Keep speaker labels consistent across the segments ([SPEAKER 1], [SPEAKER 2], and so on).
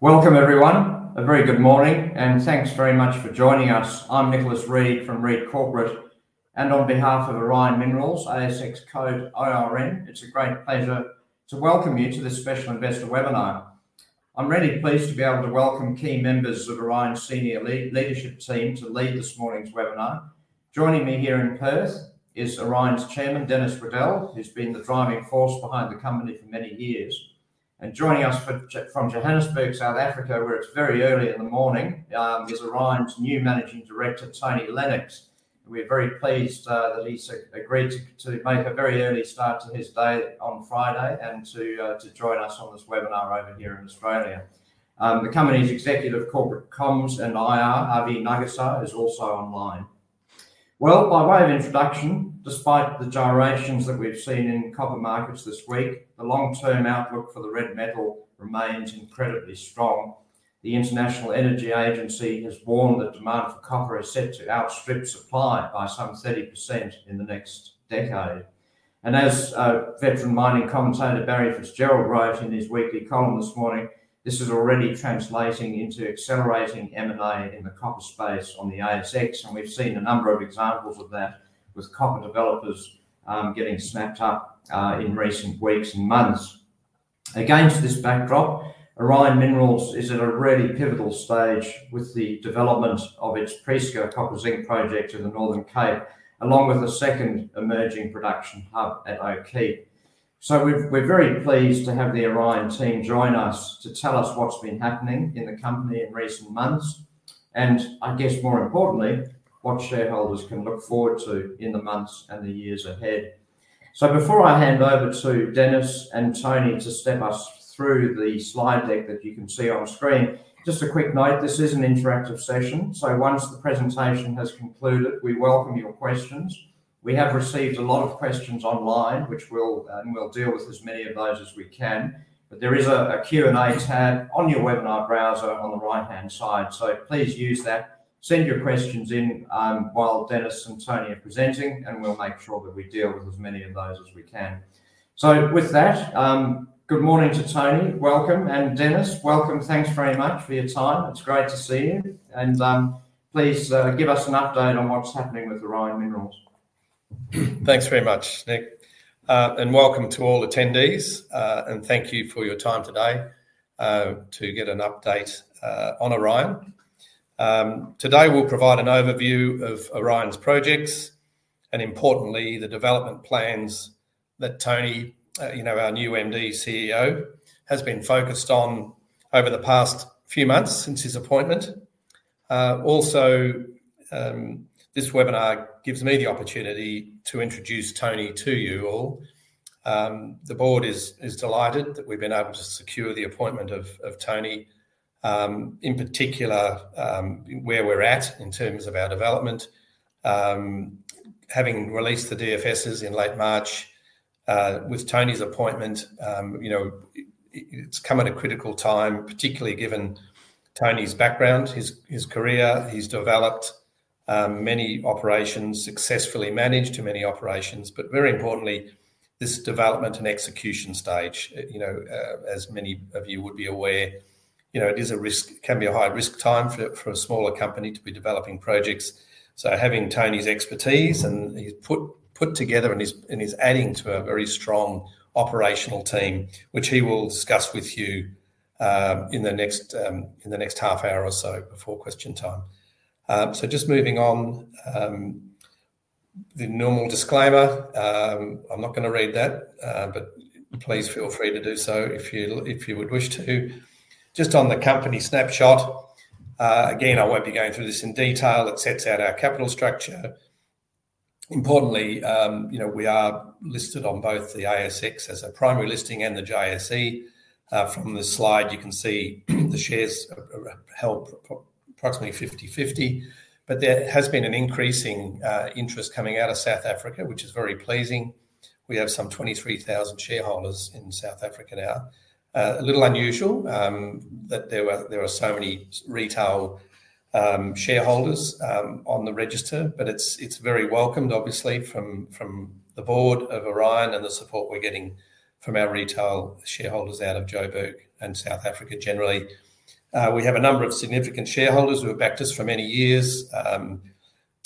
[SPEAKER 1] Welcome, everyone. A very good morning, and thanks very much for joining us. I'm Nicholas Reed from Reed Corporate, and on behalf of Orion Minerals, ASX Code ORN, it's a great pleasure to welcome you to this special investor webinar. I'm really pleased to be able to welcome key members of Orion's senior leadership team to lead this morning's webinar. Joining me here in Perth is Orion's Chairman, Denis Waddell, who's been the driving force behind the company for many years. Joining us from Johannesburg, South Africa, where it's very early in the morning, is Orion's new Managing Director, Tony Lennox. We're very pleased that he's agreed to make a very early start to his day on Friday and to join us on this webinar over here in Australia. The company's Executive Corporate Comms and IR, Avi Nagassar, is also online. By way of introduction, despite the gyrations that we've seen in copper markets this week, the long-term outlook for the red metal remains incredibly strong. The International Energy Agency has warned that demand for copper is set to outstrip supply by some 30% in the next decade. As veteran mining commentator Barry Fitzgerald wrote in his weekly column this morning, this is already translating into accelerating M&A activity in the copper space on the ASX. We've seen a number of examples of that with copper developers getting snapped up in recent weeks and months. Against this backdrop, Orion Minerals is at a really pivotal stage with the development of its Prieska Copper-Zinc Project in the Northern Cape, along with the second emerging production hub at O'Kiep. We're very pleased to have the Orion team join us to tell us what's been happening in the company in recent months, and I guess more importantly, what shareholders can look forward to in the months and the years ahead. Before I hand over to Denis and Tony to step us through the slide deck that you can see on screen, just a quick note, this is an interactive session. Once the presentation has concluded, we welcome your questions. We have received a lot of questions online, which we'll deal with as many of those as we can. There is a Q&A tab on your webinar browser on the right-hand side, so please use that. Send your questions in while Denis and Tony are presenting, and we'll make sure that we deal with as many of those as we can. With that, good morning to Tony. Welcome. And Denis, welcome. Thanks very much for your time. It's great to see you. Please give us an update on what's happening with Orion Minerals.
[SPEAKER 2] Thanks very much, Nick. Welcome to all attendees, and thank you for your time today to get an update on Orion. Today we'll provide an overview of Orion's projects and, importantly, the development plans that Tony, our new MD, CEO, has been focused on over the past few months since his appointment. Also, this webinar gives me the opportunity to introduce Tony to you all. The board is delighted that we've been able to secure the appointment of Tony, in particular, where we're at in terms of our development. Having released the DFSs in late March, with Tony's appointment, it's come at a critical time, particularly given Tony's background, his career. He's developed many operations, successfully managed many operations, but very importantly, this development and execution stage, as many of you would be aware, it is a risk, can be a high-risk time for a smaller company to be developing projects. Having Tony's expertise, and he's put together and is adding to a very strong operational team, which he will discuss with you in the next half hour or so before question time. Just moving on, the normal disclaimer. I'm not going to read that, but please feel free to do so if you would wish to. Just on the company snapshot, again, I won't be going through this in detail. It sets out our capital structure. Importantly, we are listed on both the ASX as a primary listing and the JSE. From the slide, you can see the shares are held approximately 50-50, but there has been an increasing interest coming out of South Africa, which is very pleasing. We have some 23,000 shareholders in South Africa now. A little unusual that there are so many retail shareholders on the register, but it's very welcomed, obviously, from the board of Orion and the support we're getting from our retail shareholders out of Joburg and South Africa generally. We have a number of significant shareholders who have backed us for many years.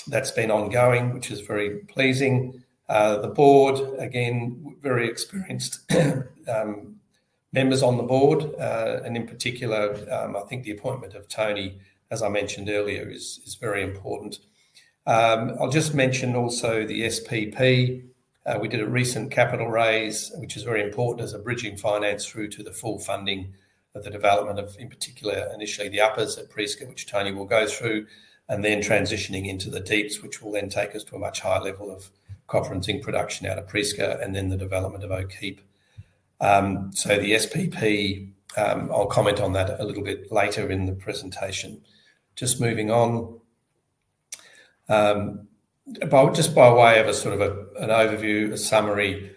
[SPEAKER 2] That's been ongoing, which is very pleasing. The board, again, very experienced members on the board, and in particular, I think the appointment of Tony, as I mentioned earlier, is very important. I'll just mention also the SPP. We did a recent capital raise, which is very important as a bridge in finance through to the full funding of the development of, in particular, initially the uppers at Prieska, which Tony will go through, and then transitioning into the deeps, which will then take us to a much higher level of copper-zinc production out of Prieska and then the development of O'Kiep. The SPP, I'll comment on that a little bit later in the presentation. Just moving on, just by way of a sort of an overview, a summary,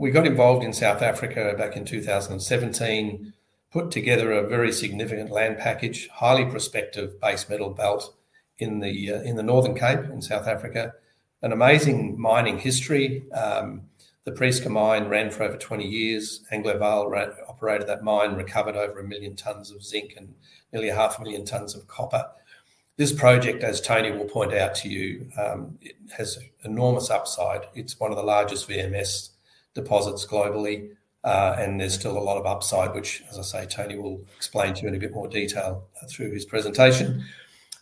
[SPEAKER 2] we got involved in South Africa back in 2017, put together a very significant land package, highly prospective base metal belt in the Northern Cape in South Africa, an amazing mining history. The Prieska mine ran for over 20 years. Anglovaal operated that mine, recovered over a million tons of zinc and nearly half a million tons of copper. This project, as Tony will point out to you, has enormous upside. It's one of the largest VMS deposits globally, and there's still a lot of upside, which, as I say, Tony will explain to you in a bit more detail through his presentation.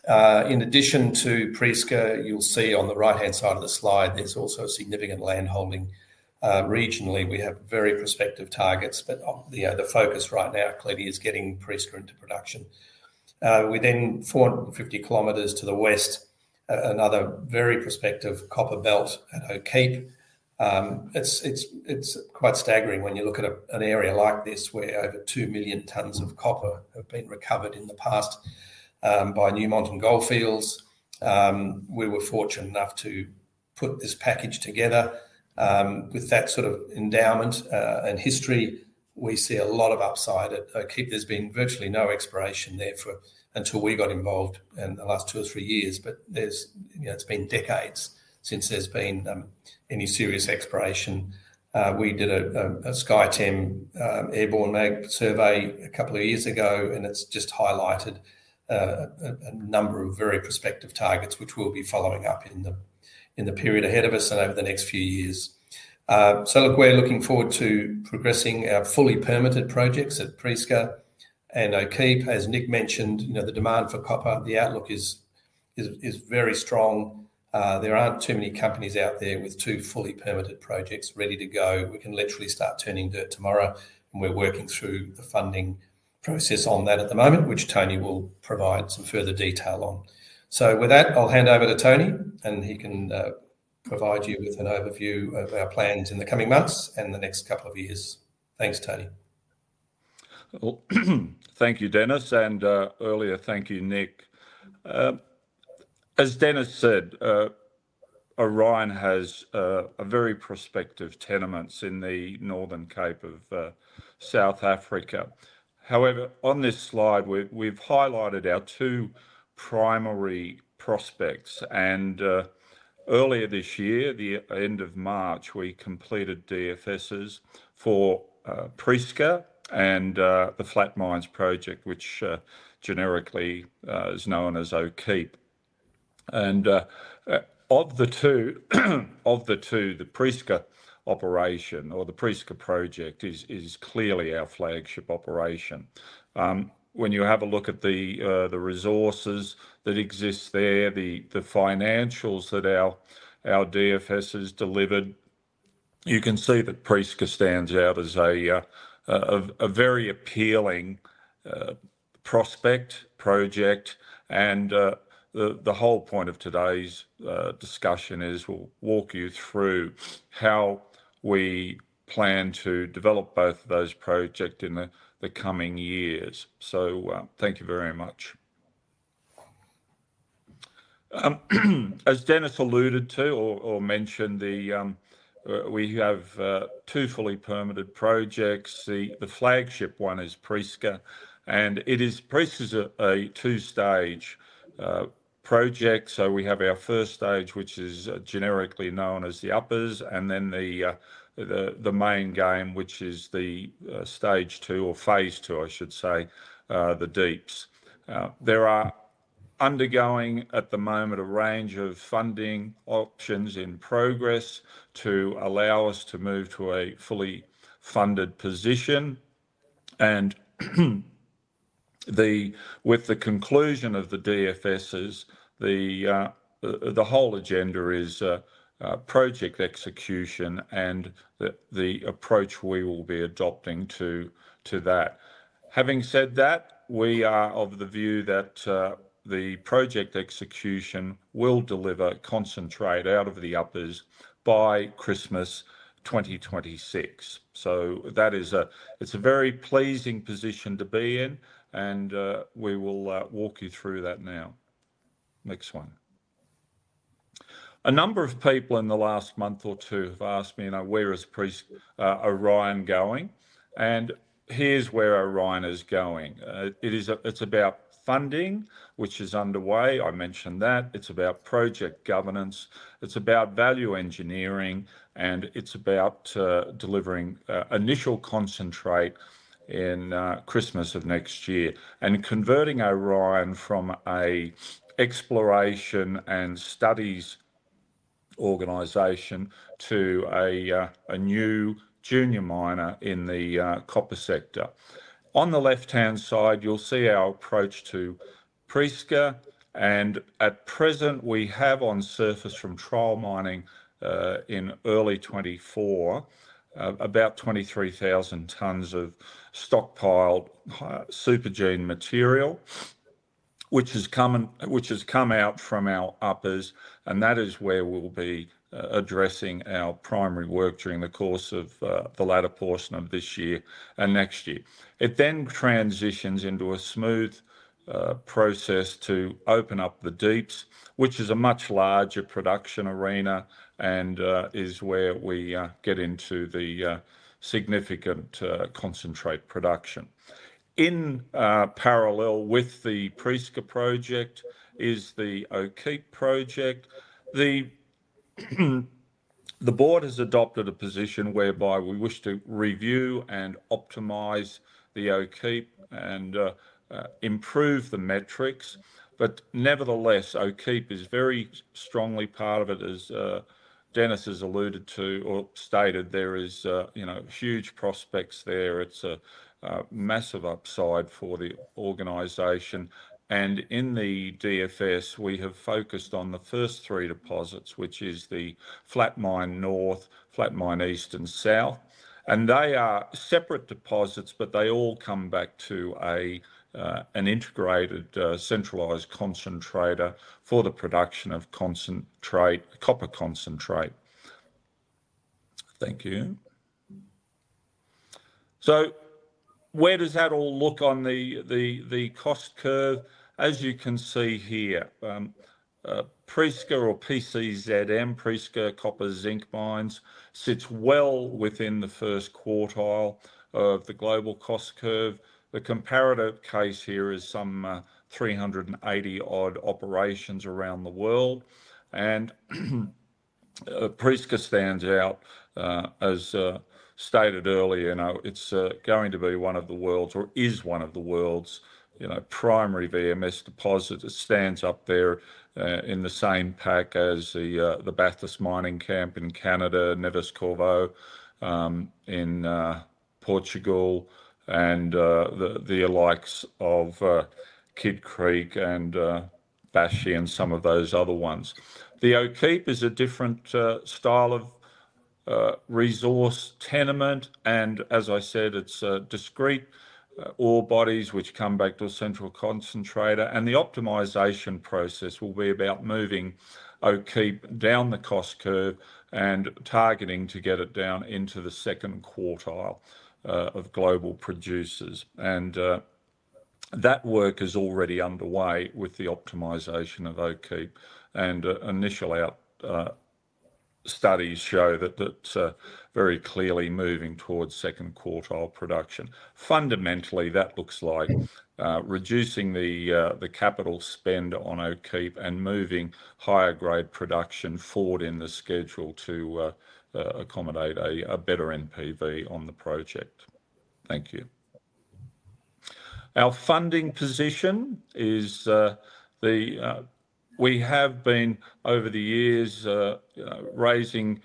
[SPEAKER 2] In addition to Prieska, you'll see on the right-hand side of the slide, there's also a significant land holding. Regionally, we have very prospective targets, but the focus right now, clearly, is getting Prieska into production. We then, 450 km to the west, another very prospective copper belt at O'Kiep. It's quite staggering when you look at an area like this where over 2 million tons of copper have been recovered in the past by Newmont and Gold Fields. We were fortunate enough to put this package together. With that sort of endowment and history, we see a lot of upside at O'Kiep. There's been virtually no exploration there until we got involved in the last two or three years, but it's been decades since there's been any serious exploration. We did a SkyTEM airborne mag survey a couple of years ago, and it's just highlighted a number of very prospective targets, which we'll be following up in the period ahead of us and over the next few years. We're looking forward to progressing our fully permitted projects at Prieska and O'Kiep. As Nick mentioned, the demand for copper, the outlook is very strong. There aren't too many companies out there with two fully permitted projects ready to go. We can literally start turning dirt tomorrow, and we're working through the funding process on that at the moment, which Tony will provide some further detail on. With that, I'll hand over to Tony, and he can provide you with an overview of our plans in the coming months and the next couple of years. Thanks, Tony.
[SPEAKER 3] Thank you, Denis, and earlier, thank you, Nick. As Denis said, Orion Minerals has very prospective tenements in the Northern Cape of South Africa. However, on this slide, we've highlighted our two primary prospects. Earlier this year, at the end of March, we completed DFSs for Prieska and the Flat Mines project, which generically is known as O'Kiep. Of the two, the Prieska operation or the Prieska project is clearly our flagship operation. When you have a look at the resources that exist there, the financials that our DFS has delivered, you can see that Prieska stands out as a very appealing project. The whole point of today's discussion is we'll walk you through how we plan to develop both of those projects in the coming years. Thank you very much. As Denis alluded to or mentioned, we have two fully permitted projects. The flagship one is Prieska, and Prieska is a two-stage project. We have our first stage, which is generically known as the uppers, and then the main game, which is the stage two or phase two, the deeps. There are, undergoing at the moment, a range of funding options in progress to allow us to move to a fully funded position. With the conclusion of the DFSs, the whole agenda is project execution and the approach we will be adopting to that. Having said that, we are of the view that the project execution will deliver concentrate out of the uppers by Christmas 2026. That is a very pleasing position to be in, and we will walk you through that now. Next one. A number of people in the last month or two have asked me, you know, where is Orion Minerals going? Here is where Orion Minerals is going. It is about funding, which is underway. I mentioned that. It is about project governance. It is about value engineering, and it is about delivering initial concentrate in Christmas of next year and converting Orion Minerals from an exploration and studies organization to a new junior miner in the copper sector. On the left-hand side, you'll see our approach to Prieska, and at present, we have on surface from trial mining in early 2024, about 23,000 tons of stockpiled supergene material, which has come out from our uppers, and that is where we'll be addressing our primary work during the course of the latter portion of this year and next year. It then transitions into a smooth process to open up the deeps, which is a much larger production arena and is where we get into the significant concentrate production. In parallel with the Prieska project is the O'Kiep project. The board has adopted a position whereby we wish to review and optimize the O'Kiep and improve the metrics. Nevertheless, O'Kiep is very strongly part of it, as Denis has alluded to or stated, there is, you know, huge prospects there. It's a massive upside for the organization. In the DFS, we have focused on the first three deposits, which is the Flat Mine North, Flat Mine East, and South. They are separate deposits, but they all come back to an integrated centralized concentrator for the production of concentrate, copper concentrate. Thank you. Where does that all look on the cost curve? As you can see here, Prieska or PCZM Prieska Copper-Zinc Mines sits well within the first quartile of the global cost curve. The comparative case here is some 380-odd operations around the world. Prieska stands out, as stated earlier. You know, it's going to be one of the world's or is one of the world's, you know, primary VMS deposits. It stands up there in the same pack as the Bathurst Mining Camp in Canada, Neves-Corvo in Portugal, and the likes of Kidd Creek and Bisha and some of those other ones. The O'Kiep is a different style of resource tenement. As I said, it's discrete ore bodies which come back to a central concentrator. The optimization process will be about moving O'Kiep down the cost curve and targeting to get it down into the second quartile of global producers. That work is already underway with the optimization of O'Kiep. Initial studies show that it's very clearly moving towards second quartile production. Fundamentally, that looks like reducing the capital spend on O'Kiep and moving higher grade production forward in the schedule to accommodate a better NPV on the project. Thank you. Our funding position is that we have been over the years raising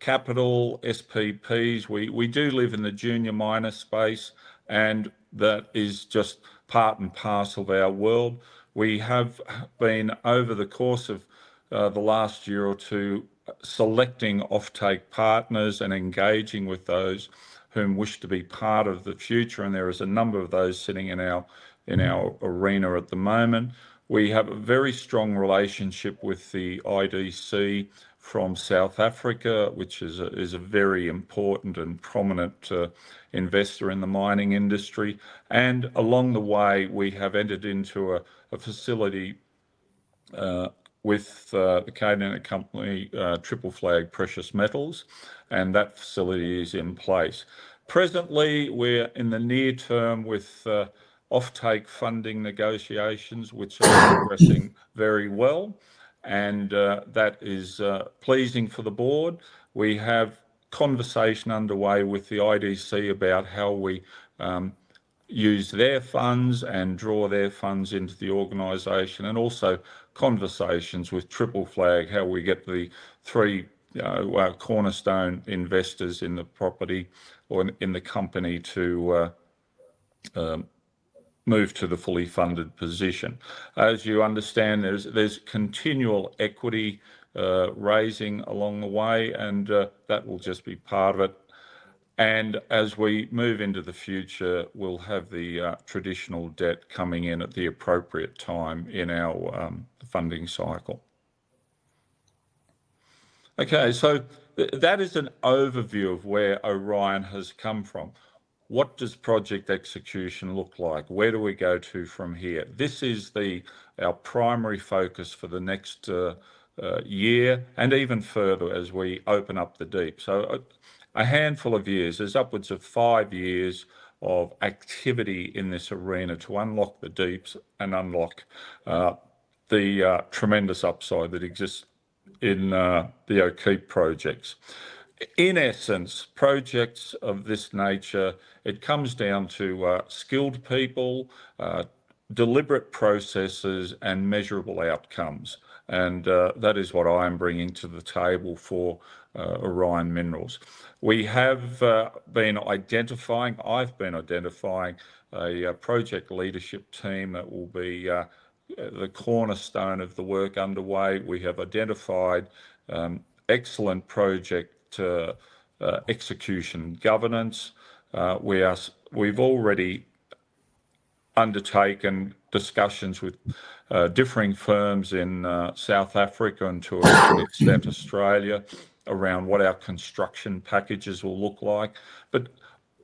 [SPEAKER 3] capital SPPs. We do live in the junior miner space, and that is just part and parcel of our world. We have been over the course of the last year or two selecting off-take partners and engaging with those who wish to be part of the future. There are a number of those sitting in our arena at the moment. We have a very strong relationship with the IDC from South Africa, which is a very important and prominent investor in the mining industry. Along the way, we have entered into a facility with the Canadian company Triple Flag Precious Metals, and that facility is in place. Presently, we're in the near term with off-take funding negotiations, which are progressing very well. That is pleasing for the board. We have conversation underway with the IDC about how we use their funds and draw their funds into the organization and also conversations with Triple Flag, how we get the three cornerstone investors in the property or in the company to move to the fully funded position. As you understand, there's continual equity raising along the way, and that will just be part of it. As we move into the future, we'll have the traditional debt coming in at the appropriate time in our funding cycle. That is an overview of where Orion has come from. What does project execution look like? Where do we go to from here? This is our primary focus for the next year and even further as we open up the deep. For a handful of years, there's upwards of five years of activity in this arena to unlock the deeps and unlock the tremendous upside that exists in the O'Kiep projects. In essence, projects of this nature, it comes down to skilled people, deliberate processes, and measurable outcomes. That is what I am bringing to the table for Orion Minerals. We have been identifying, I've been identifying a project leadership team that will be the cornerstone of the work underway. We have identified excellent project execution governance. We've already undertaken discussions with differing firms in South Africa and to an extent Australia around what our construction packages will look like.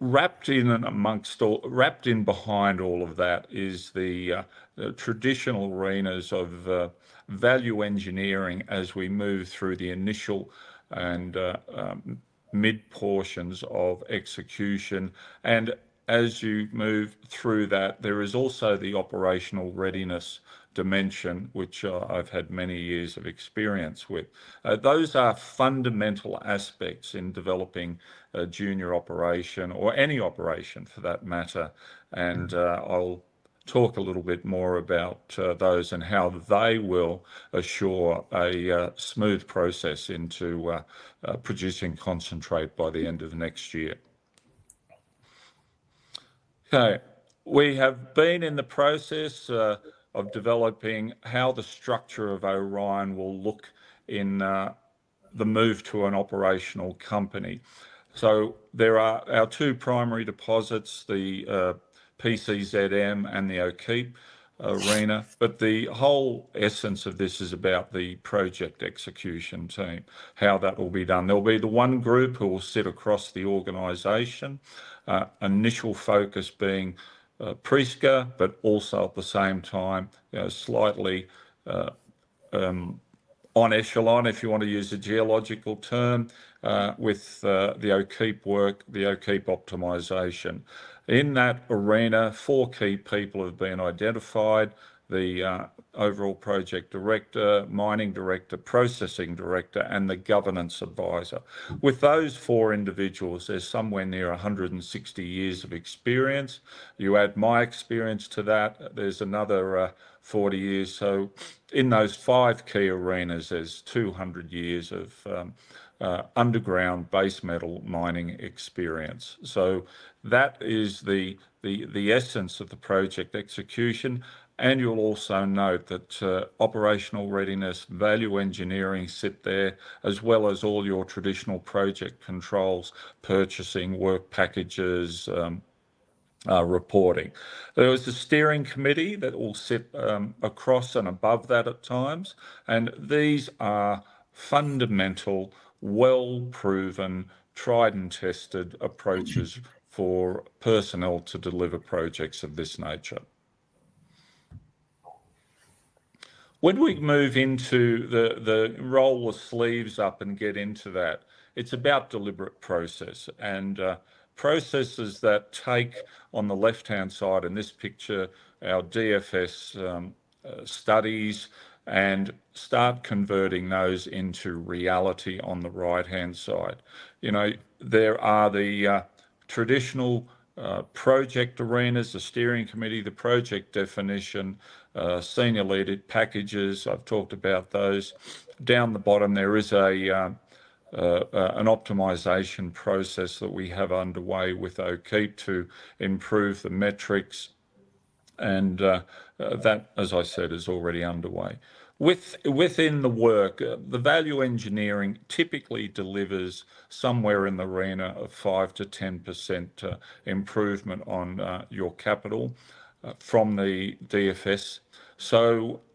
[SPEAKER 3] Wrapped in and amongst all, wrapped in behind all of that is the traditional arenas of value engineering as we move through the initial and mid-portions of execution. As you move through that, there is also the operational readiness dimension, which I've had many years of experience with. Those are fundamental aspects in developing a junior operation or any operation for that matter. I'll talk a little bit more about those and how they will assure a smooth process into producing concentrate by the end of next year. We have been in the process of developing how the structure of Orion will look in the move to an operational company. There are our two primary deposits, the Prieska Copper-Zinc Project and the O'Kiep arena. The whole essence of this is about the project execution team, how that will be done. There'll be the one group who will sit across the organization, initial focus being Prieska, but also at the same time, slightly on echelon, if you want to use a geological term, with the O'Kiep work, the O'Kiep optimization. In that arena, four key people have been identified: the overall Project Director, Mining Director, Processing Director, and the Governance Advisor. With those four individuals, there's somewhere near 160 years of experience. You add my experience to that, there's another 40 years. In those five key arenas, there's 200 years of underground base metal mining experience. That is the essence of the project execution. You'll also note that operational readiness, value engineering sit there, as well as all your traditional project controls, purchasing, work packages, reporting. There is a steering committee that will sit across and above that at times. These are fundamental, well-proven, tried and tested approaches for personnel to deliver projects of this nature. When we move into the role of sleeves up and get into that, it's about deliberate process and processes that take. On the left-hand side in this picture, our DFS studies and start converting those into reality on the right-hand side. There are the traditional project arenas, the steering committee, the project definition, senior leaded packages. I've talked about those. Down the bottom, there is an optimization process that we have underway with O'Kiep to improve the metrics. That, as I said, is already underway. Within the work, the value engineering typically delivers somewhere in the arena of 5%-10% improvement on your capital from the DFS.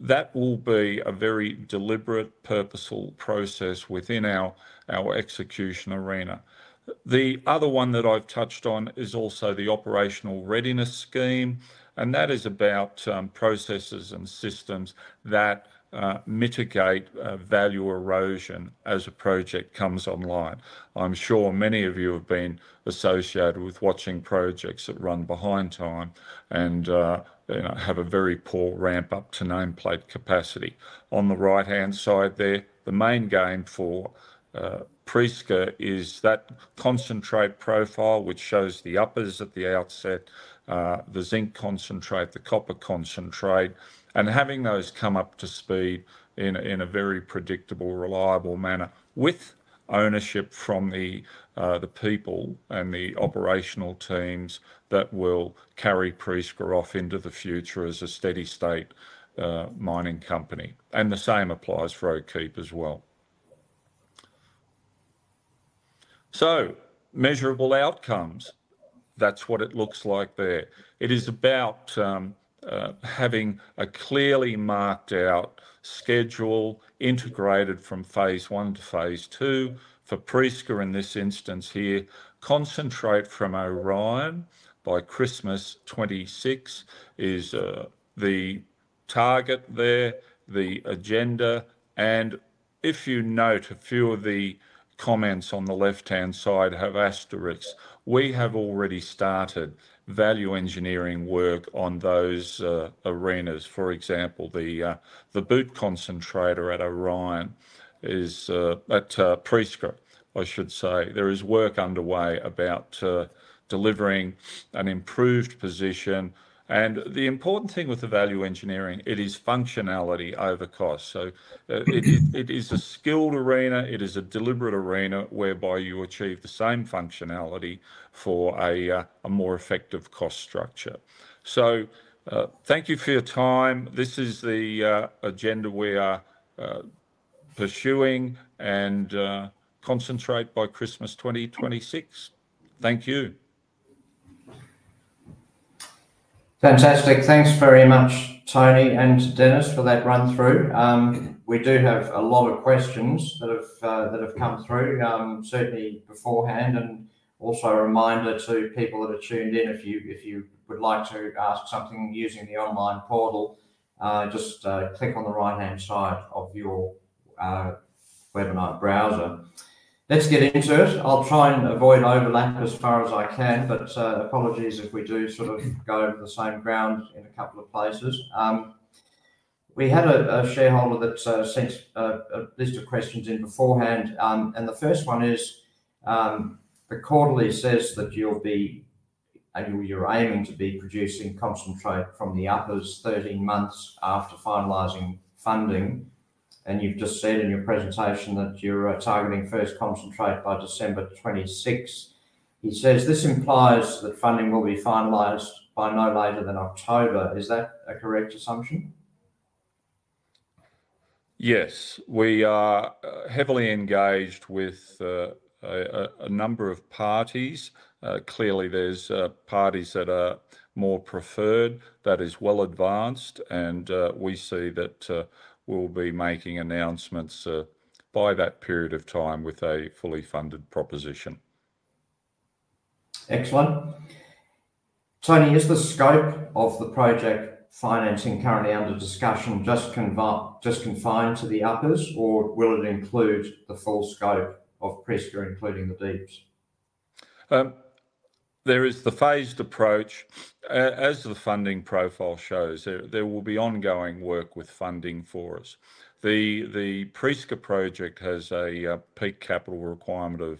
[SPEAKER 3] That will be a very deliberate, purposeful process within our execution arena. The other one that I've touched on is also the operational readiness scheme, and that is about processes and systems that mitigate value erosion as a project comes online. I'm sure many of you have been associated with watching projects that run behind time and have a very poor ramp-up to nameplate capacity. On the right-hand side there, the main game for Prieska is that concentrate profile, which shows the uppers at the outset, the zinc concentrate, the copper concentrate, and having those come up to speed in a very predictable, reliable manner with ownership from the people and the operational teams that will carry Prieska off into the future as a steady-state mining company. The same applies for O'Kiep as well. Measurable outcomes, that's what it looks like there. It is about having a clearly marked out schedule integrated from phase one to phase two for Prieska in this instance here. Concentrate from Orion by Christmas 2026 is the target there, the agenda. If you note, a few of the comments on the left-hand side have asterisks. We have already started value engineering work on those arenas. For example, the boot concentrator at Orion is at Prieska, I should say. There is work underway about delivering an improved position. The important thing with the value engineering, it is functionality over cost. It is a skilled arena. It is a deliberate arena whereby you achieve the same functionality for a more effective cost structure. Thank you for your time. This is the agenda we are pursuing and concentrate by Christmas 2026. Thank you.
[SPEAKER 1] Fantastic. Thanks very much, Tony and Denis, for that run-through. We do have a lot of questions that have come through certainly beforehand. Also, a reminder to people that are tuned in, if you would like to ask something using the online portal, just click on the right-hand side of your webinar browser. Let's get into it. I'll try and avoid an overlap as far as I can, but apologies if we do sort of go over the same ground in a couple of places. We had a shareholder that sent a list of questions in beforehand. The first one is, the quarterly says that you'll be able, you're aiming to be producing concentrate from the uppers 30 months after finalizing funding. You've just said in your presentation that you're targeting first concentrate by December 2026. He says this implies that funding will be finalized by no later than October. Is that a correct assumption?
[SPEAKER 3] Yes, we are heavily engaged with a number of parties. Clearly, there's parties that are more preferred, that is well advanced, and we see that we'll be making announcements by that period of time with a fully funded proposition.
[SPEAKER 1] Excellent. Tony, is the scope of the project financing currently under discussion just confined to the uppers, or will it include the full scope of Prieska, including the deeps?
[SPEAKER 3] There is the phased approach. As the funding profile shows, there will be ongoing work with funding for us. The Prieska project has a peak capital requirement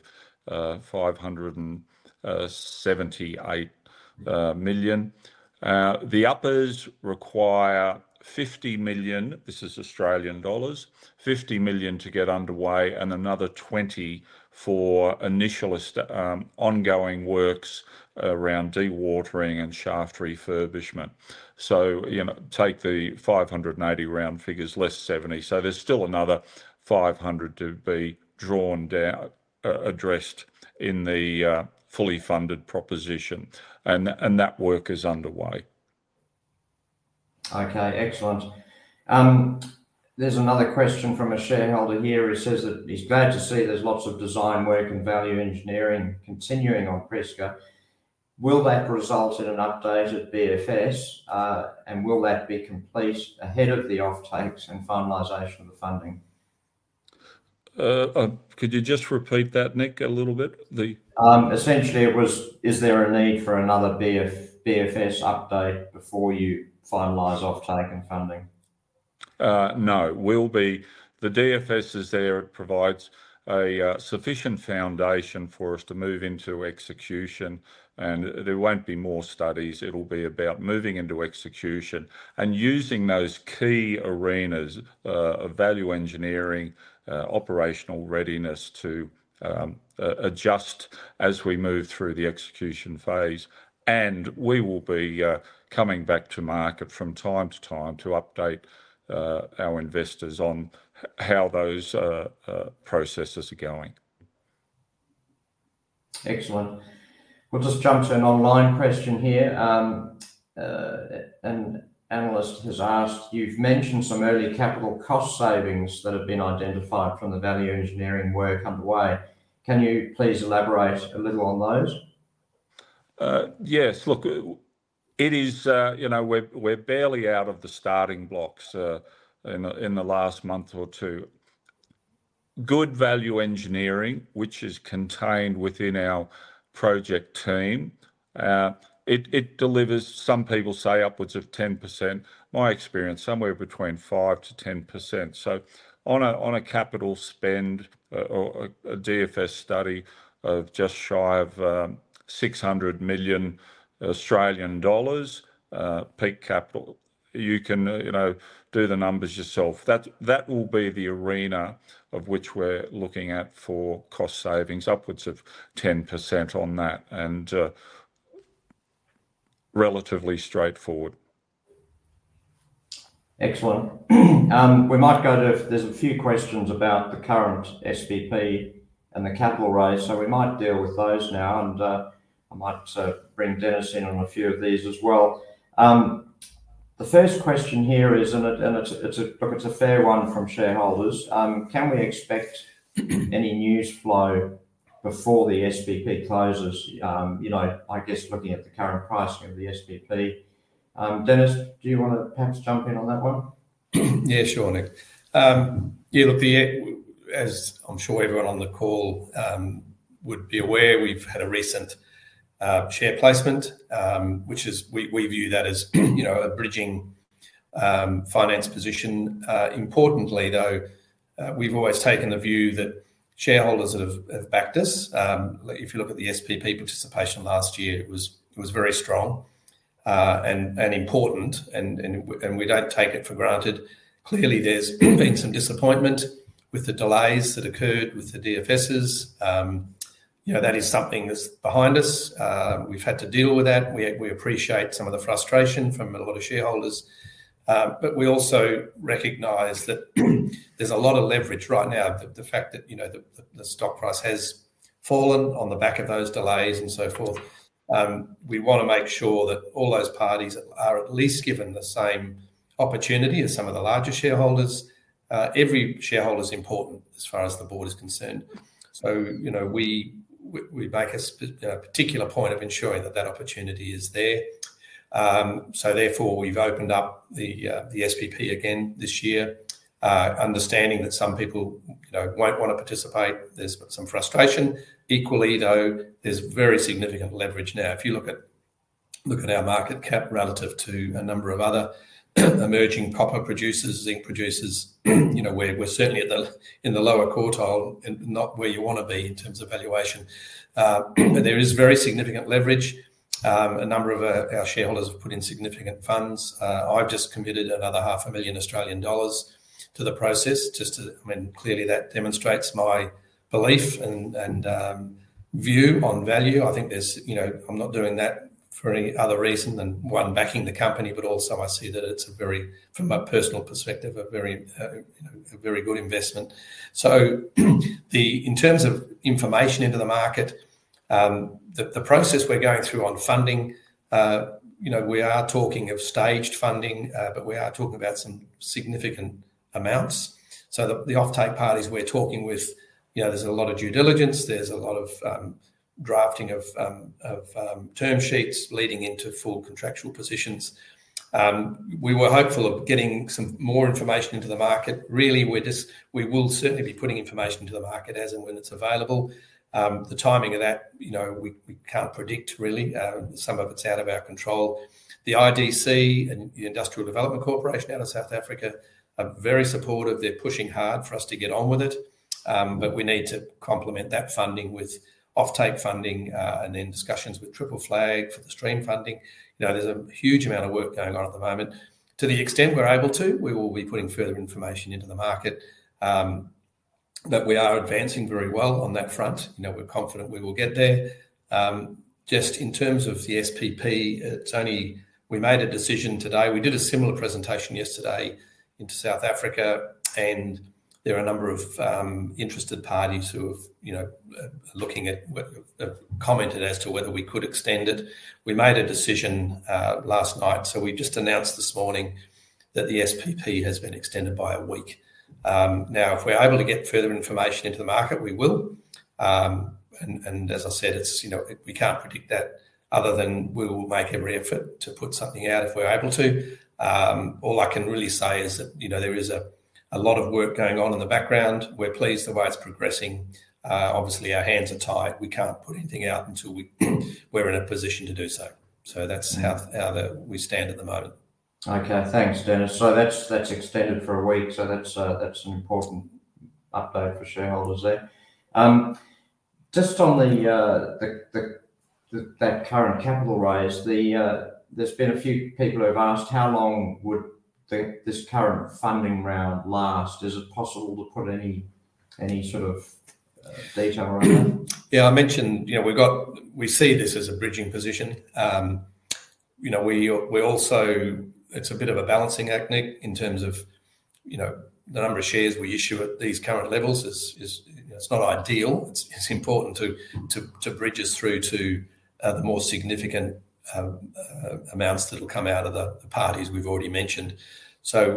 [SPEAKER 3] of 578 million. The uppers require 50 million to get underway and another 20 million for initial ongoing works around dewatering and shaft refurbishment. You know, take the 580 round figures, less 70, so there's still another 500 to be drawn down, addressed in the fully funded proposition. That work is underway.
[SPEAKER 1] Okay, excellent. There's another question from a shareholder here who says that he's glad to see there's lots of design work and value engineering continuing on Prieska. Will that result in an updated DFS, and will that be complete ahead of the off-takes and finalization of the funding?
[SPEAKER 3] Could you just repeat that, Nick, a little bit?
[SPEAKER 1] Essentially, is there a need for another DFS update before you finalize off-take and funding?
[SPEAKER 3] We'll be. The DFS is there. It provides a sufficient foundation for us to move into execution, and there won't be more studies. It'll be about moving into execution and using those key arenas of value engineering and operational readiness to adjust as we move through the execution phase. We will be coming back to market from time to time to update our investors on how those processes are going.
[SPEAKER 1] Excellent. We'll just jump to an online question here. An analyst has asked, you've mentioned some early capital cost savings that have been identified from the value engineering work underway. Can you please elaborate a little on those?
[SPEAKER 3] Yes, look, it is, you know, we're barely out of the starting blocks in the last month or two. Good value engineering, which is contained within our project team, delivers, some people say, upwards of 10%. My experience, somewhere between 5%-10%. On a capital spend or a DFS study of just shy of 600 million Australian dollars peak capital, you can do the numbers yourself. That will be the arena of which we're looking at for cost savings, upwards of 10% on that and relatively straightforward.
[SPEAKER 1] Excellent. We might go to, there's a few questions about the current SPP and the capital raise, so we might deal with those now and might bring Denis in on a few of these as well. The first question here is, and it's a fair one from shareholders, can we expect any news flow before the SPP closes? You know, I guess looking at the current pricing of the SPP. Denis, do you want to perhaps jump in on that one?
[SPEAKER 2] Yeah, sure, Nick. Look, as I'm sure everyone on the call would be aware, we've had a recent share placement, which is, we view that as a bridging finance position. Importantly, though, we've always taken the view that shareholders have backed us. If you look at the SPP participation last year, it was very strong and important, and we don't take it for granted. Clearly, there's been some disappointment with the delays that occurred with the DFSs. That is something that's behind us. We've had to deal with that. We appreciate some of the frustration from a lot of shareholders, but we also recognize that there's a lot of leverage right now. The fact that the stock price has fallen on the back of those delays and so forth. We want to make sure that all those parties are at least given the same opportunity as some of the larger shareholders. Every shareholder is important as far as the board is concerned. We make a particular point of ensuring that that opportunity is there. Therefore, we've opened up the SPP again this year, understanding that some people won't want to participate. There's some frustration. Equally, though, there's very significant leverage now. If you look at our market cap relative to a number of other emerging copper producers, zinc producers, we're certainly in the lower quartile and not where you want to be in terms of valuation. There is very significant leverage. A number of our shareholders have put in significant funds. I've just committed another 500,000 Australian dollars to the process. Clearly, that demonstrates my belief and view on value. I think there's, I'm not doing that for any other reason than one, backing the company, but also I see that it's, from my personal perspective, a very good investment. In terms of information into the market, the process we're going through on funding, we are talking of staged funding, but we are talking about some significant amounts. The off-take parties we're talking with, there's a lot of due diligence. There's a lot of drafting of term sheets leading into full contractual positions. We were hopeful of getting some more information into the market. Really, we will certainly be putting information into the market as and when it's available. The timing of that, we can't predict really. Some of it's out of our control. The IDC and the Industrial Development Corporation of South Africa are very supportive. They're pushing hard for us to get on with it. We need to complement that funding with off-take funding and then discussions with Triple Flag for the stream funding. There's a huge amount of work going on at the moment. To the extent we're able to, we will be putting further information into the market. We are advancing very well on that front. We're confident we will get there. Just in terms of the SPP, it's only we made a decision today. We did a similar presentation yesterday into South Africa, and there are a number of interested parties who have commented as to whether we could extend it. We made a decision last night. We just announced this morning that the SPP has been extended by a week. If we're able to get further information into the market, we will. As I said, we can't predict that other than we will make every effort to put something out if we're able to. All I can really say is that there is a lot of work going on in the background. We're pleased the way it's progressing. Obviously, our hands are tied. We can't put anything out until we're in a position to do so. That's how we stand at the moment.
[SPEAKER 1] Okay, thanks, Denis. That's extended for a week. That's an important update for shareholders there. Just on the current capital raise, there's been a few people who have asked how long would this current funding round last? Is it possible to put any sort of data around?
[SPEAKER 2] Yeah, I mentioned, you know, we've got, we see this as a bridging position. It's a bit of a balancing act, Nick, in terms of the number of shares we issue at these current levels. It's not ideal. It's important to bridge us through to the more significant amounts that will come out of the parties we've already mentioned.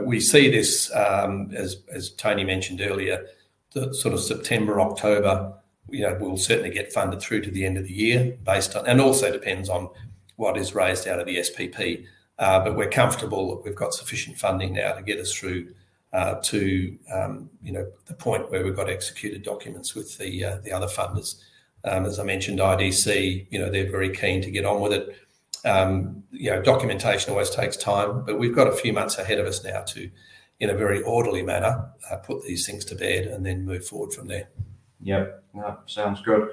[SPEAKER 2] We see this, as Tony mentioned earlier, the sort of September, October, we'll certainly get funded through to the end of the year based on, and also depends on what is raised out of the SPP. We're comfortable that we've got sufficient funding now to get us through to the point where we've got executed documents with the other funders. As I mentioned, IDC, they're very keen to get on with it. Documentation always takes time, but we've got a few months ahead of us now to, in a very orderly manner, put these things to bed and then move forward from there.
[SPEAKER 1] Yeah, that sounds good.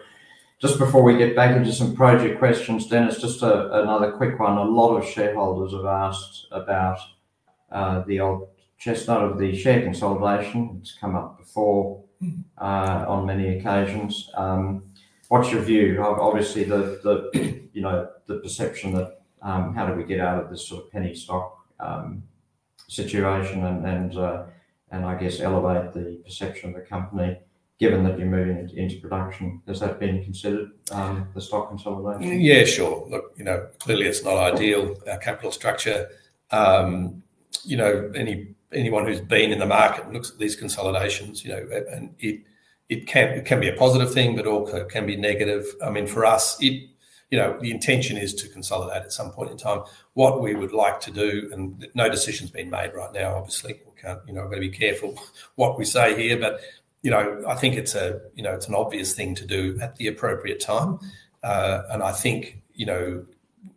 [SPEAKER 1] Just before we get back into some project questions, Denis, just another quick one. A lot of shareholders have asked about the odd chestnut of the share consolidation. It's come up before on many occasions. What's your view? Obviously, the perception that how do we get out of this sort of penny stock situation and, I guess, elevate the perception of the company given that you're moving it into production? Has that been considered, the stock consolidation?
[SPEAKER 2] Yeah, sure. Look, clearly it's not ideal, our capital structure. Anyone who's been in the market looks at these consolidations, and it can be a positive thing, but it also can be negative. I mean, for us, the intention is to consolidate at some point in time. What we would like to do, and no decision's been made right now, obviously. We can't, maybe careful what we say here, but I think it's an obvious thing to do at the appropriate time. I think,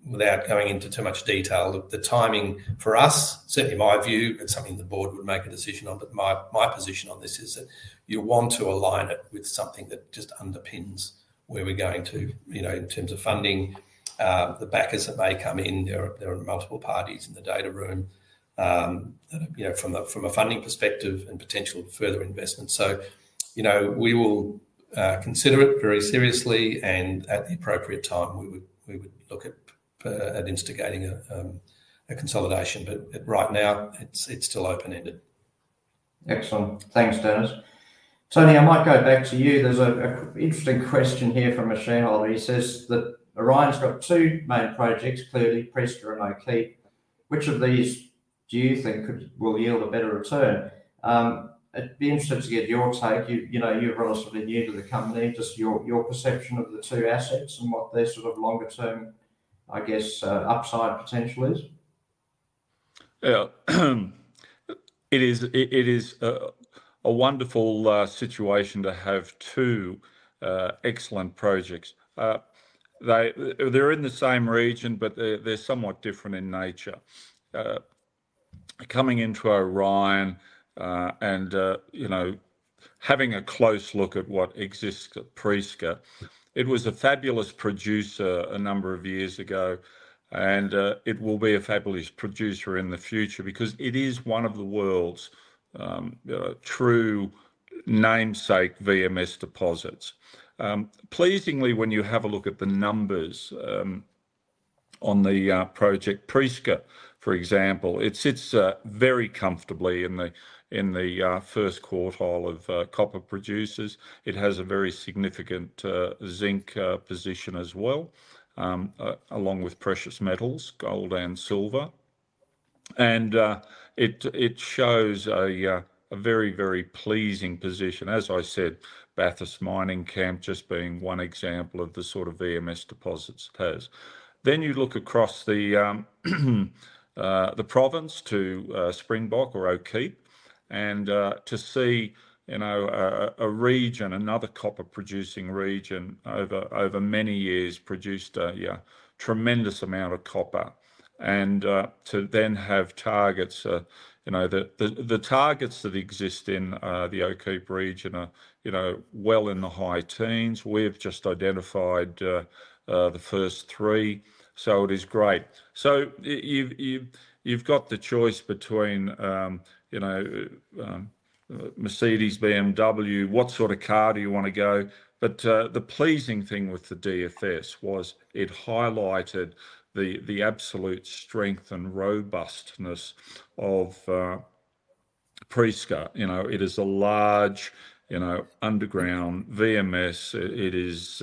[SPEAKER 2] without going into too much detail, the timing for us, certainly my view, and something the board would make a decision on, but my position on this is that you want to align it with something that just underpins where we're going to, in terms of funding. The backers that may come in, there are multiple parties in the data room, from a funding perspective and potential further investment. We will consider it very seriously and at the appropriate time, we would look at instigating a consolidation, but right now it's still open-ended.
[SPEAKER 1] Excellent. Thanks, Denis. Tony, I might go back to you. There's an interesting question here from a shareholder. He says that Orion's got two main projects, clearly Prieska and O'Kiep. Which of these do you think will yield a better return? It'd be interesting to get your take. You know, you're relatively new to the company. Just your perception of the two assets and what their sort of longer term, I guess, upside potential is.
[SPEAKER 3] Yeah, it is a wonderful situation to have two excellent projects. They're in the same region, but they're somewhat different in nature. Coming into Orion, and, you know, having a close look at what exists at Prieska, it was a fabulous producer a number of years ago, and it will be a fabulous producer in the future because it is one of the world's, you know, true namesake VMS deposits. Pleasingly, when you have a look at the numbers on the project Prieska, for example, it sits very comfortably in the first quartile of copper producers. It has a very significant zinc position as well, along with precious metals, gold and silver. It shows a very, very pleasing position. As I said, Bathurst Mining Camp just being one example of the sort of VMS deposits it has. You look across the province to Springbok or O'Kiep and see, you know, a region, another copper producing region over many years produced a tremendous amount of copper. To then have targets, you know, the targets that exist in the O'Kiep region are, you know, well in the high teens. We've just identified the first three. It is great. You've got the choice between, you know, Mercedes, BMW, what sort of car do you want to go? The pleasing thing with the DFS was it highlighted the absolute strength and robustness of Prieska. You know, it is a large underground VMS. It is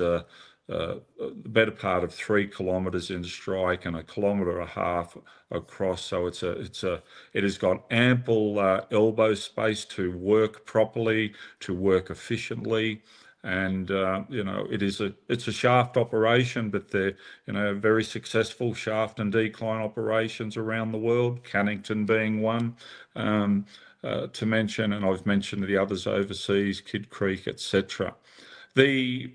[SPEAKER 3] the better part of 3 km in the strike and 1.5 km across. It's got ample elbow space to work properly, to work efficiently. It is a shaft operation, but there are very successful shaft and decline operations around the world, Cannington being one to mention, and I've mentioned the others overseas, Kidd Creek, etc. The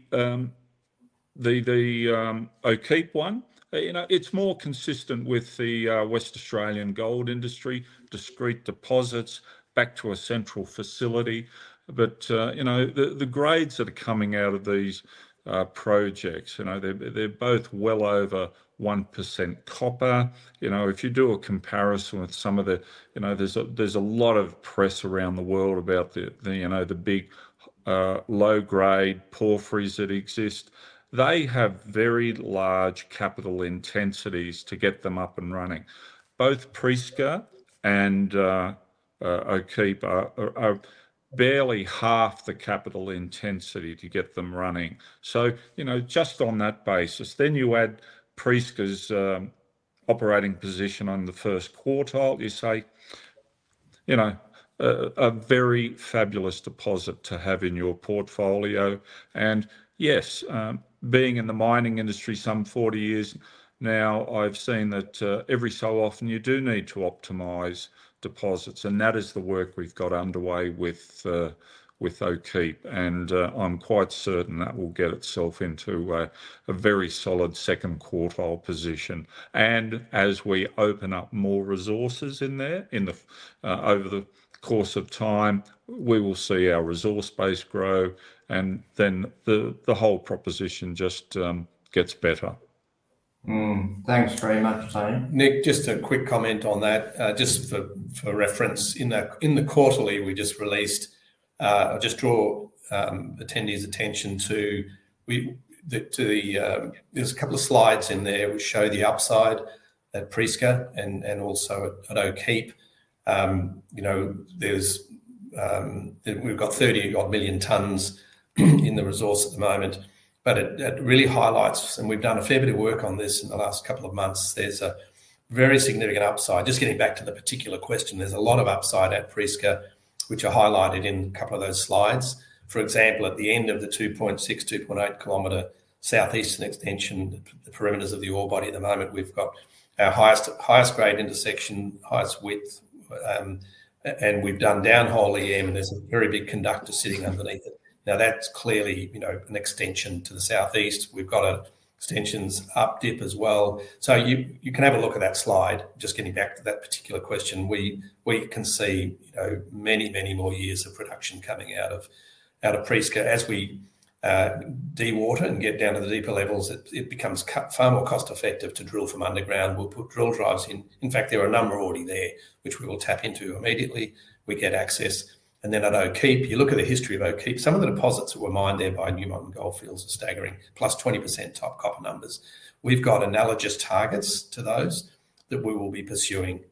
[SPEAKER 3] O'Kiep one, you know, it's more consistent with the West Australian gold industry, discrete deposits back to a central facility. The grades that are coming out of these projects, you know, they're both well over 1% copper. If you do a comparison with some of the, you know, there's a lot of press around the world about the big, low-grade porphyries that exist. They have very large capital intensities to get them up and running. Both Prieska and O'Kiep are barely half the capital intensity to get them running. You know, just on that basis, then you add Prieska's operating position in the first quartile. You say, you know, a very fabulous deposit to have in your portfolio. Yes, being in the mining industry some 40 years now, I've seen that every so often you do need to optimize deposits. That is the work we've got underway with O'Kiep. I'm quite certain that will get itself into a very solid second quartile position. As we open up more resources in there, over the course of time, we will see our resource base grow and then the whole proposition just gets better.
[SPEAKER 1] Thanks very much, Tony.
[SPEAKER 2] Nick, just a quick comment on that. Just for reference, in the quarterly we just released, I'll draw attendees' attention to the fact that there are a couple of slides in there which show the upside at Prieska and also at O'Kiep. You know, we've got 30-odd million tons in the resource at the moment. It really highlights, and we've done a fair bit of work on this in the last couple of months, there's a very significant upside. Getting back to the particular question, there's a lot of upside at Prieska, which are highlighted in a couple of those slides. For example, at the end of the 2.6 km, 2.8 km southeastern extension, the perimeters of the ore body at the moment, we've got our highest grade intersection, highest width, and we've done downhole EM, and there's a very big conductor sitting underneath it. Now that's clearly an extension to the southeast. We've got extensions up dip as well. You can have a look at that slide. Getting back to that particular question, we can see many, many more years of production coming out of Prieska. As we dewater and get down to the deeper levels, it becomes far more cost-effective to drill from underground. We'll put drill drives in. In fact, there are a number already there, which we will tap into immediately we get access. Then at O'Kiep, you look at the history of O'Kiep, some of the deposits that were mined there by Newmont and Gold Fields are staggering, +20% top copper numbers. We've got analogous targets to those that we will be pursuing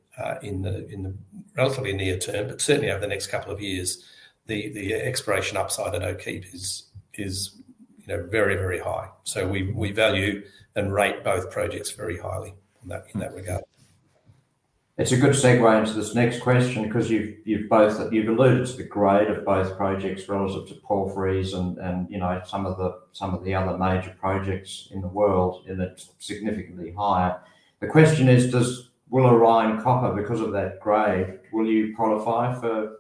[SPEAKER 2] in the relatively near term, but certainly over the next couple of years, the exploration upside at O'Kiep is very, very high. We value and rate both projects very highly in that regard.
[SPEAKER 1] It's a good segue into this next question because you've both said, you've alluded to the grade of both projects relative to porphyries and, you know, some of the other major projects in the world in that significantly higher. The question is, will Orion copper, because of that grade, will you qualify for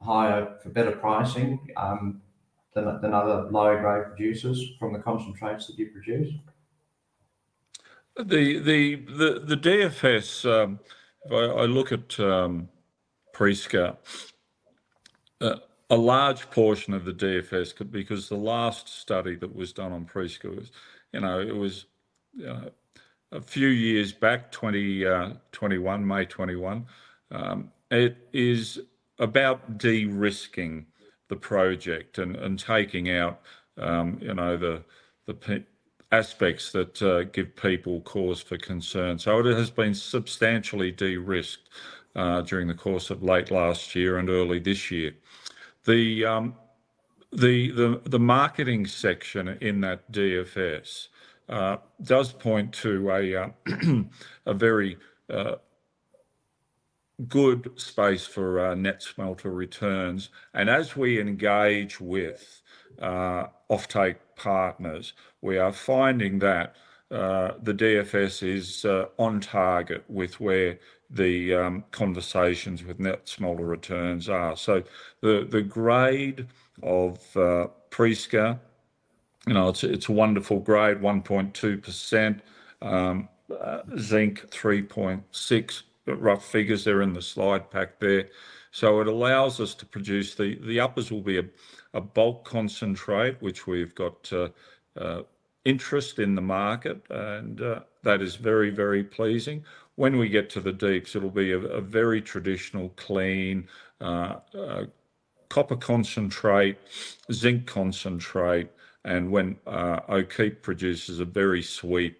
[SPEAKER 1] higher, for better pricing than other lower grade producers from the concentrates that you produce?
[SPEAKER 3] The DFS, I look at Prieska, a large portion of the DFS because the last study that was done on Prieska, you know, it was, you know, a few years back, 2021, May 21. It is about de-risking the project and taking out, you know, the aspects that give people cause for concern. It has been substantially de-risked during the course of late last year and early this year. The marketing section in that DFS does point to a very good space for net smelter returns. As we engage with off-take partners, we are finding that the DFS is on target with where the conversations with net smelter returns are. The grade of Prieska, you know, it's a wonderful grade, 1.2% copper, 3.6% zinc, rough figures there in the slide pack there. It allows us to produce the uppers will be a bulk concentrate, which we've got interest in the market, and that is very, very pleasing. When we get to the deeps, it'll be a very traditional clean copper concentrate, zinc concentrate, and when O'Kiep produces a very sweet,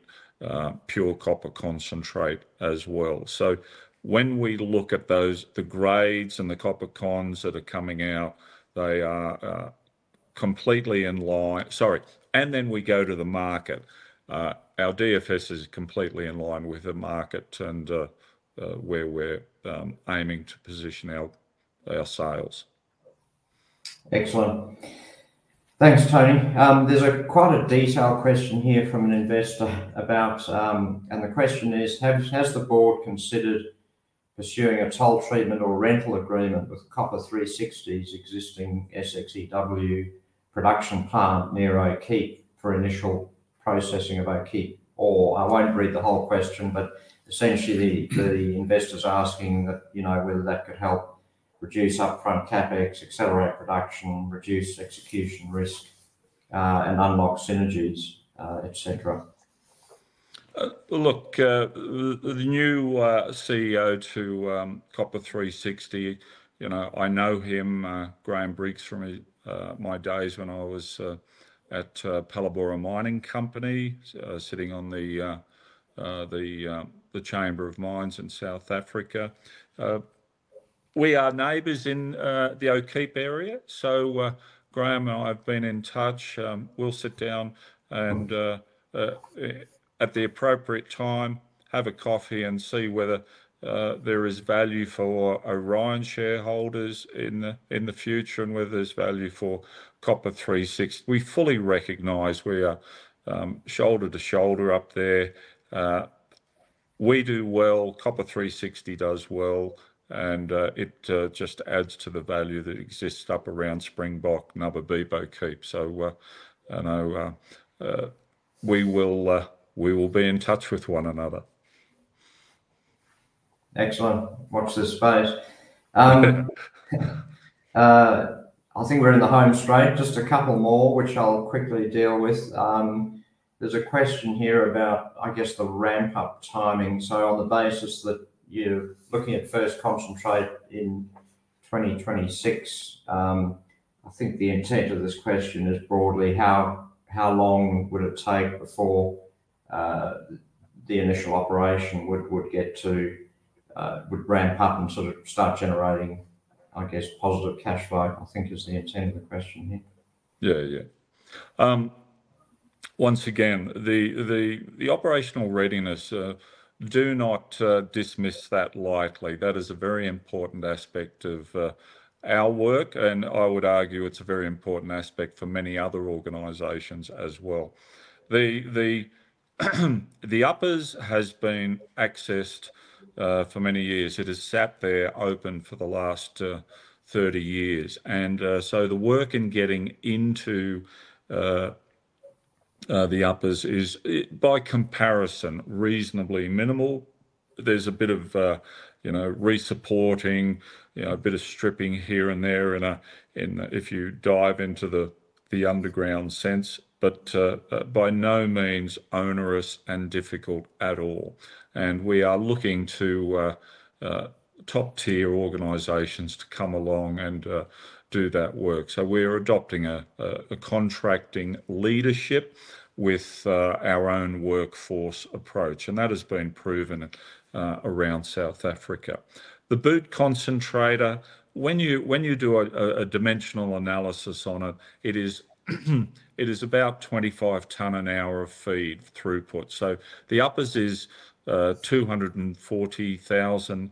[SPEAKER 3] pure copper concentrate as well. When we look at those, the grades and the copper cons that are coming out, they are completely in line. Sorry, and then we go to the market. Our DFS is completely in line with the market and where we're aiming to position our sales.
[SPEAKER 1] Excellent. Thanks, Tony. There's quite a detailed question here from an investor about, and the question is, has the board considered pursuing a toll treatment or rental agreement with Copper 360's existing SXEW production plant near O'Kiep for initial processing of O'Kiep? I won't read the whole question, but essentially the investors are asking whether that could help reduce upfront CapEx, production, reduce execution risk, and unlock synergies.
[SPEAKER 3] Look, the new CEO to Copper 360, you know, I know him, Graham Brix, from my days when I was at Palabora Mining Company, sitting on the Chamber of Mines in South Africa. We are neighbors in the O'Kiep area. Graham and I have been in touch. We'll sit down and, at the appropriate time, have a coffee and see whether there is value for Orion shareholders in the future and whether there's value for Copper 360. We fully recognize we are shoulder to shoulder up there. We do well, Copper 360 does well. It just adds to the value that exists up around Springbok and Upper Biebouwkop. I know we will be in touch with one another.
[SPEAKER 1] Excellent. Watch this space. I think we're in the home straight. Just a couple more, which I'll quickly deal with. There's a question here about, I guess, the ramp-up timing. On the basis that you're looking at first concentrate in 2026, I think the intent of this question is broadly how long it would take before the initial operation would ramp up and sort of start generating, I guess, positive cash flow, I think is the intent of the question here.
[SPEAKER 3] Yeah, once again, the operational readiness, do not dismiss that lightly. That is a very important aspect of our work. I would argue it's a very important aspect for many other organizations as well. The uppers has been accessed for many years. It has sat there open for the last 30 years, so the work in getting into the uppers is by comparison reasonably minimal. There's a bit of resupporting, a bit of stripping here and there if you dive into the underground sense, but by no means onerous and difficult at all. We are looking to top-tier organizations to come along and do that work. We are adopting a contracting leadership with our own workforce approach, and that has been proven around South Africa. The boot concentrator, when you do a dimensional analysis on it, is about 25 ton an hour of feed throughput. The uppers is 240,000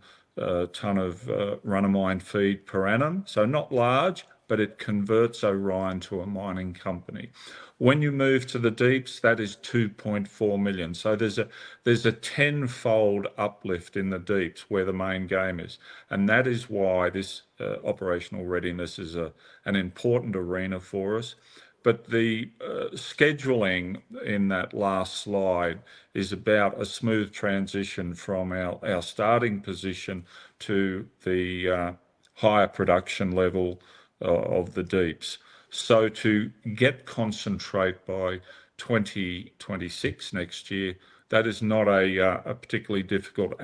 [SPEAKER 3] ton of run-of-mine feed per annum, so not large, but it converts Orion to a mining company. When you move to the deeps, that is 2.4 million, so there's a tenfold uplift in the deeps where the main game is. That is why this operational readiness is an important arena for us. The scheduling in that last slide is about a smooth transition from our starting position to the higher production level of the deeps. To get concentrate by 2026 next year, that is not particularly difficult.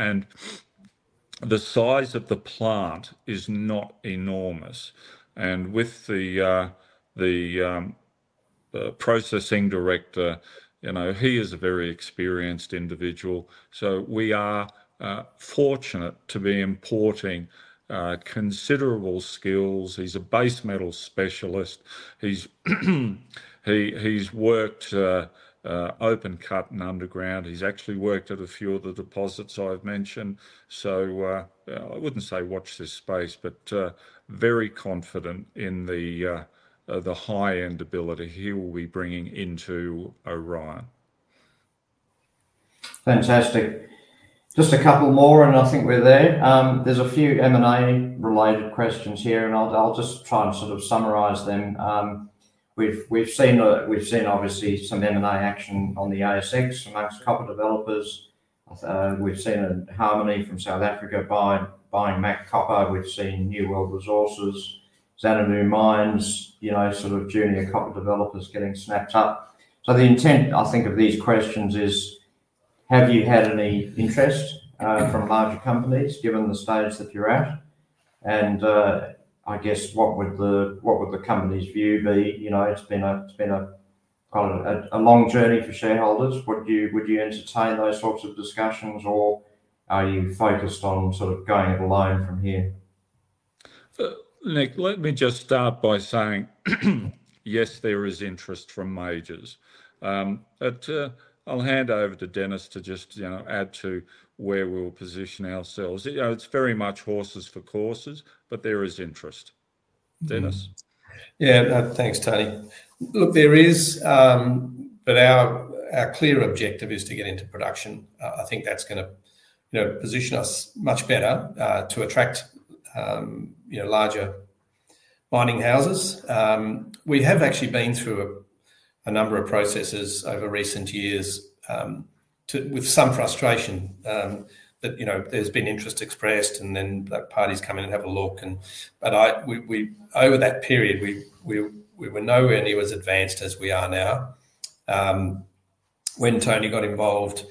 [SPEAKER 3] The size of the plant is not enormous, and with the processing director, he is a very experienced individual. We are fortunate to be importing considerable skills. He's a base metal specialist. He's worked open cut and underground. He's actually worked at a few of the deposits I've mentioned. I wouldn't say watch this space, but very confident in the high-end ability he will be bringing into Orion.
[SPEAKER 1] Fantastic. Just a couple more, and I think we're there. There's a few M&A related questions here, and I'll just try and sort of summarize them. We've seen obviously some M&A action on the ASX and those copper developers. We've seen Harmony from South Africa buying Mac Copper. We've seen New World Resources, Xanadu Mines, you know, sort of junior copper developers getting snapped up. The intent, I think, of these questions is, have you had any interest from larger companies given the stage that you're at? I guess what would the company's view be? You know, it's been quite a long journey for shareholders. Would you entertain those sorts of discussions, or are you focused on sort of going it alone from here?
[SPEAKER 3] Nick, let me just start by saying, yes, there is interest from majors. I'll hand over to Denis to add to where we'll position ourselves. It's very much horses for courses, but there is interest. Denis.
[SPEAKER 2] Yeah, thanks, Tony. Look, there is, but our clear objective is to get into production. I think that's going to position us much better to attract larger mining houses. We have actually been through a number of processes over recent years, with some frustration, that there's been interest expressed and then parties come in and have a look. Over that period, we were nowhere near as advanced as we are now. When Tony got involved,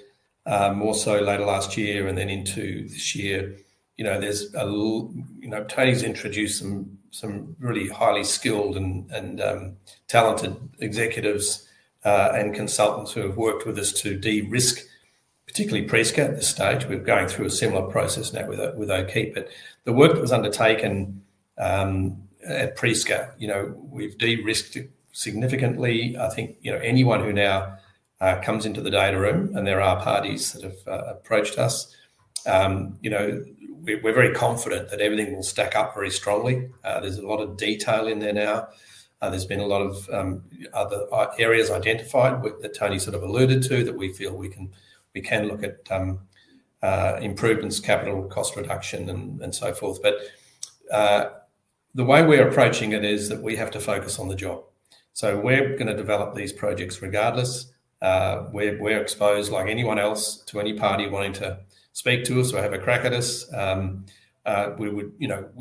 [SPEAKER 2] more so later last year and then into this year, Tony's introduced some really highly skilled and talented executives and consultants who have worked with us to de-risk, particularly Prieska at this stage. We're going through a similar process now with O'Kiep, but the work that was undertaken at Prieska, we've de-risked significantly. I think anyone who now comes into the data room, and there are parties that have approached us, we're very confident that everything will stack up very strongly. There's a lot of detail in there now. There's been a lot of other areas identified that Tony alluded to that we feel we can look at, improvements, capital, cost reduction, and so forth. The way we're approaching it is that we have to focus on the job. We're going to develop these projects regardless. We're exposed like anyone else to any party wanting to speak to us or have a crack at us. We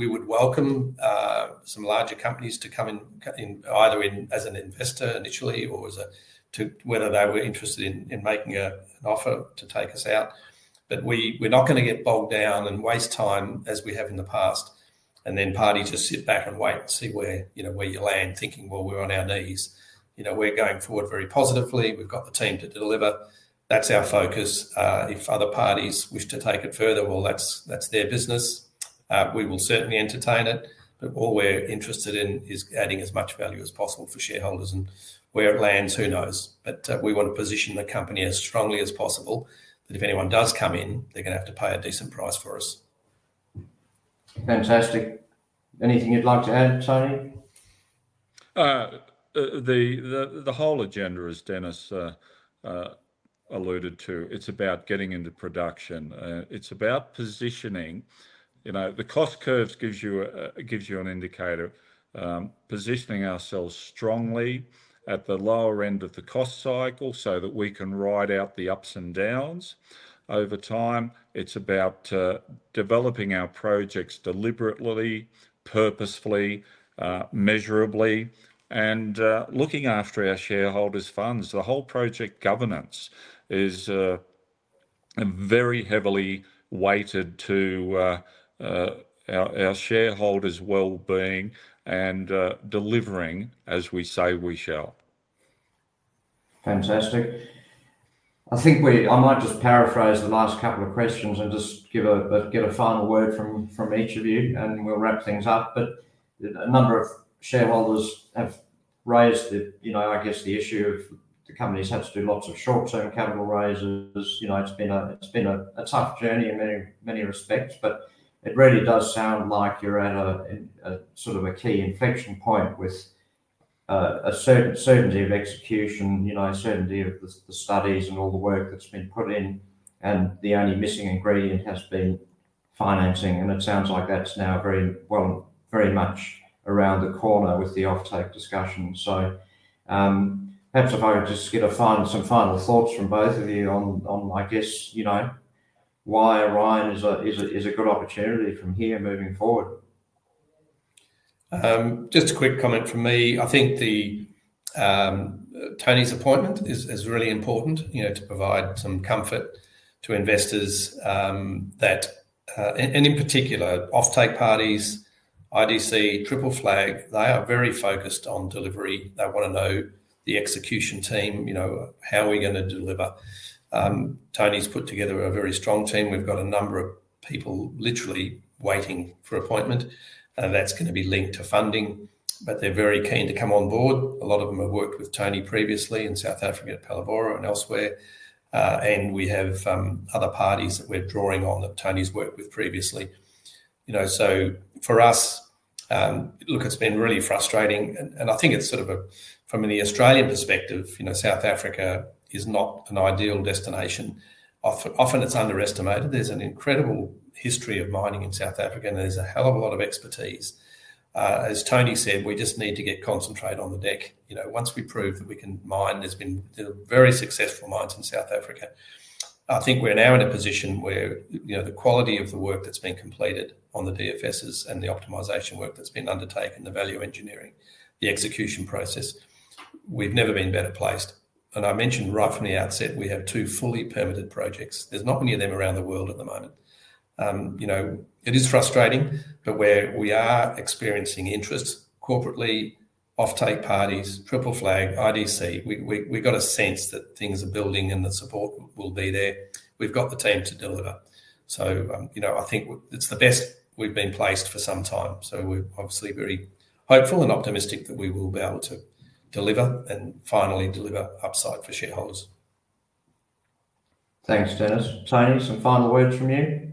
[SPEAKER 2] would welcome some larger companies to come in, either as an investor initially or if they were interested in making an offer to take us out. We're not going to get bogged down and waste time as we have in the past and then parties just sit back and wait and see where you land thinking, well, we're on our knees. We're going forward very positively. We've got the team to deliver. That's our focus. If other parties wish to take it further, that's their business. We will certainly entertain it. All we're interested in is adding as much value as possible for shareholders. Where it lands, who knows? We want to position the company as strongly as possible that if anyone does come in, they're going to have to pay a decent price for us.
[SPEAKER 1] Fantastic. Anything you'd like to add, Tony?
[SPEAKER 3] The whole agenda is, as Denis alluded to, it's about getting into production. It's about positioning. You know, the cost curves give you an indicator. Positioning ourselves strongly at the lower end of the cost cycle so that we can ride out the ups and downs over time. It's about developing our projects deliberately, purposefully, measurably, and looking after our shareholders' funds. The whole project governance is very heavily weighted to our shareholders' well-being and delivering, as we say, we shall.
[SPEAKER 1] Fantastic. I think I might just paraphrase the last couple of questions and just get a final word from each of you, and we'll wrap things up. A number of shareholders have raised the issue of the companies having to do lots of short-term capital raises. It's been a tough journey in many respects, but it really does sound like you're at a sort of a key inflection point with a certain certainty of execution, a certainty of the studies and all the work that's been put in, and the only missing ingredient has been financing. It sounds like that's now very much around the corner with the off-take discussion. Perhaps if I just get some final thoughts from both of you on why Orion Minerals is a good opportunity from here moving forward.
[SPEAKER 2] Just a quick comment from me. I think Tony's appointment is really important, you know, to provide some comfort to investors, and in particular off-take parties, IDC, Triple Flag. They are very focused on delivery. They want to know the execution team, you know, how are we going to deliver? Tony's put together a very strong team. We've got a number of people literally waiting for appointment. That's going to be linked to funding, but they're very keen to come on board. A lot of them have worked with Tony previously in South Africa, at Palabora, and elsewhere. We have other parties that we're drawing on that Tony's worked with previously. For us, look, it's been really frustrating. I think it's sort of a, from the Australian perspective, you know, South Africa is not an ideal destination. Often it's underestimated. There's an incredible history of mining in South Africa, and there's a hell of a lot of expertise. As Tony said, we just need to get concentrate on the deck. You know, once we prove that we can mine, there's been very successful mines in South Africa. I think we're now in a position where, you know, the quality of the work that's been completed on the DFSs and the optimization work that's been undertaken, the value engineering, the execution process, we've never been better placed. I mentioned right from the outset, we have two fully permitted projects. There's not many of them around the world at the moment. It is frustrating, but we are experiencing interest corporately, off-take parties, Triple Flag, IDC. We've got a sense that things are building and the support will be there. We've got the team to do it up. I think it's the best we've been placed for some time. We're obviously very hopeful and optimistic that we will be able to deliver and finally deliver upside for shareholders.
[SPEAKER 1] Thanks, Denis. Tony, some final words from you?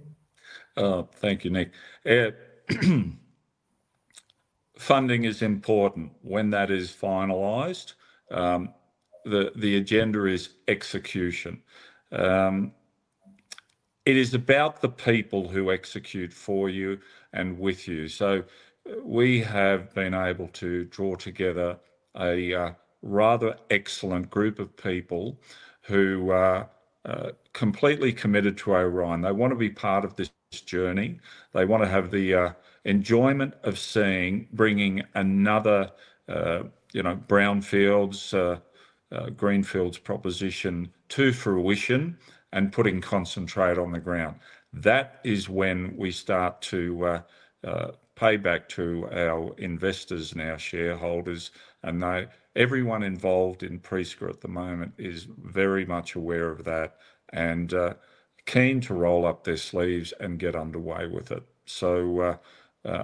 [SPEAKER 3] Thank you, Nick. Funding is important. When that is finalized, the agenda is execution. It is about the people who execute for you and with you. We have been able to draw together a rather excellent group of people who are completely committed to Orion. They want to be part of this journey. They want to have the enjoyment of seeing bringing another, you know, brownfields, greenfields proposition to fruition and putting concentrate on the ground. That is when we start to pay back to our investors and our shareholders. Everyone involved in Prieska at the moment is very much aware of that and keen to roll up their sleeves and get underway with it.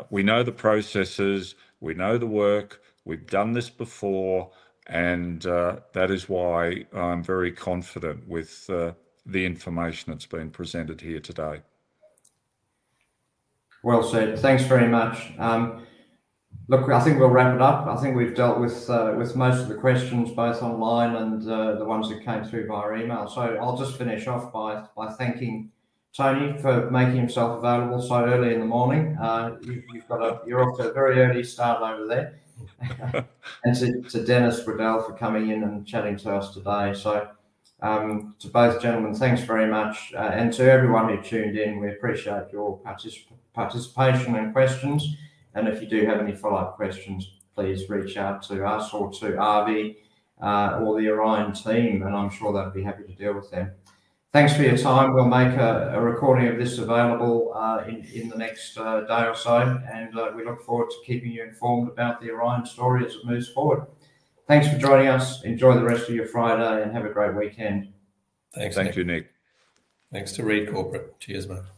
[SPEAKER 3] We know the processes, we know the work, we've done this before, and that is why I'm very confident with the information that's been presented here today.
[SPEAKER 1] Thanks very much. I think we'll wrap it up. I think we've dealt with most of the questions both online and the ones that came through via email. I'll just finish off by thanking Tony for making himself available so early in the morning. You're off to a very early start over there. Thank you to Denis Waddell for coming in and chatting to us today. To both gentlemen, thanks very much. To everyone who tuned in, we appreciate your participation and questions. If you do have any follow-up questions, please reach out to us or to Avi or the Orion team, and I'm sure they'd be happy to deal with them. Thanks for your time. We'll make a recording of this available in the next day or so, and we look forward to keeping you informed about the Orion story as it moves forward. Thanks for joining us. Enjoy the rest of your Friday and have a great weekend.
[SPEAKER 3] Thanks, thank you, Nick.
[SPEAKER 2] Thanks to Reed Corporate, cheers mate.